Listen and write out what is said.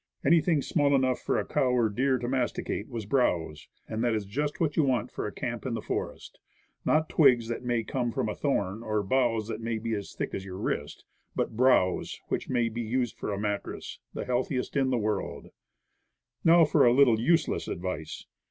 Anything small enough for a cow or deer to masticate was browse. And that is just what you want for a camp in the forest. Not twigs, that> may come from a thorn, or boughs, that may be as thick as your wrist, but browse. And now for a little useless advice.